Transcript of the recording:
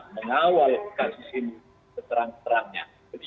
mengawal kasus ini keterang keterangnya